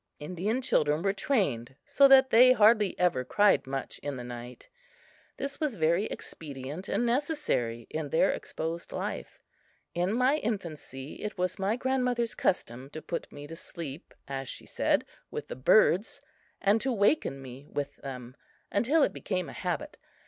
Indian children were trained so that they hardly ever cried much in the night. This was very expedient and necessary in their exposed life. In my infancy it was my grandmother's custom to put me to sleep, as she said, with the birds, and to waken me with them, until it became a habit.